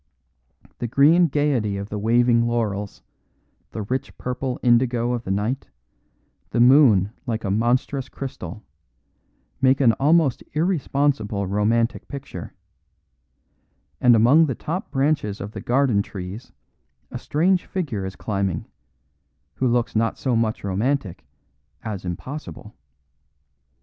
The green gaiety of the waving laurels, the rich purple indigo of the night, the moon like a monstrous crystal, make an almost irresponsible romantic picture; and among the top branches of the garden trees a strange figure is climbing, who looks not so much romantic as impossible.